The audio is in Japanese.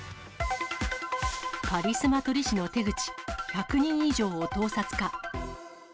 カリスマ撮り師の手口、１００人以上を盗撮か。